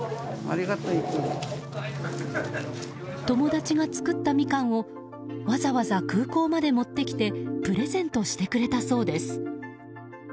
友達が作ったミカンをわざわざ空港まで持ってきてプレゼントしてくれたそうです。